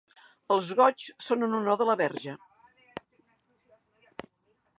Els goigs són en honor de la Verge.